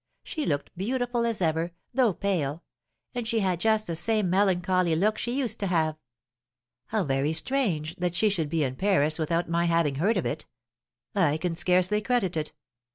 She looked beautiful as ever, though pale; and she had just the same melancholy look she used to have." "How very strange that she should be in Paris without my having heard of it! I can scarcely credit it.